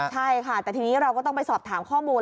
ใช่ค่ะแต่ทีนี้เราก็ต้องไปสอบถามข้อมูล